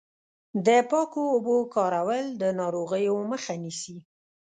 د پاکو اوبو کارول د ناروغیو مخه نیسي.